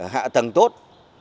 hạ tầng tốt